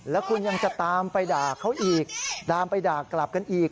แล้วคุณยังจะตามไปด่าเขาอีกตามไปด่ากลับกันอีก